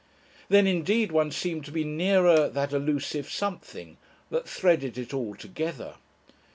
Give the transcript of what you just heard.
Then indeed one seemed to be nearer that elusive something that threaded it all together.